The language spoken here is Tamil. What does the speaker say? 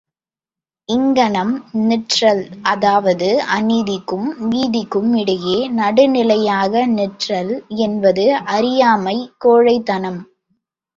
இங்கனம் நிற்றல், அதாவது அநீதிக்கும் நீதிக்கும் இடையே நடுநிலையாக நிற்றல் என்பது அறியாமை கோழைத்தனம்!